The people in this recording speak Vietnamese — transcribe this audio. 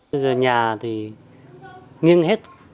bây giờ nhà thì nghiêng hết